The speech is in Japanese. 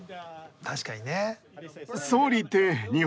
確かにね。